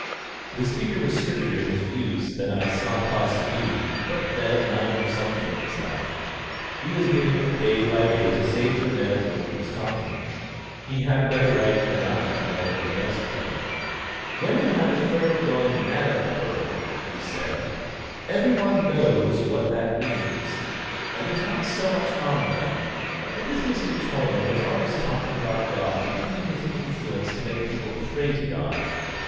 The speaker was stricter in his views than I saw cause to be; but then, I knew something of his life; he was giving it day by day to save the men of whom he was talking. He had a better right than I to know what was best for them. "When you have a thorough going man of the world," he said, "every one knows what that means, and there's not so much harm done. But this Mr. Toyner is always talking about God, and using his influence to make people pray to God.